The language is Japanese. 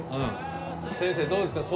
先生どうですか？